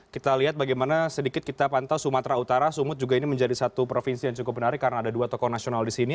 kita lihat bagaimana sedikit kita pantau sumatera utara sumut juga ini menjadi satu provinsi yang cukup menarik karena ada dua tokoh nasional di sini